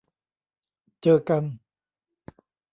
เจอกัน